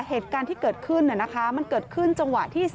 เหตุการณ์ที่เกิดขึ้นมันเกิดขึ้นจังหวะที่